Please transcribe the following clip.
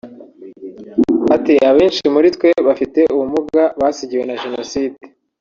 Ati “Abenshi muri twe bafite ubumuga basigiwe na Jenoside